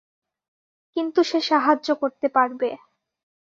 কিন্তু সে সাহায্য করতে পারবে।